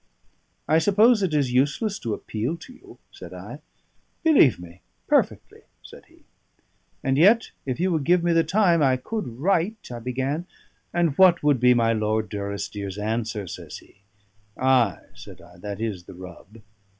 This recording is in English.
"I suppose it is useless to appeal to you?" said I. "Believe me, perfectly," said he. "And yet, if you would give me time, I could write " I began. "And what would be my Lord Durrisdeer's answer?" asks he. "Ay," said I, "that is the rub."